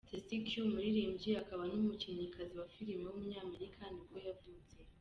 Stacey Q, umuririmbyi, akaba n’umukinnyikazi wa filime w’umunyamerika nibwo yavutse.